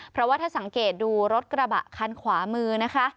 เพราะว่าถ้าสังเกตดูรถกระบะคันขวามือนะคะ